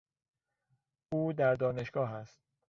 او در دانشگاه است.